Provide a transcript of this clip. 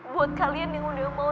buat kalian yang udah mau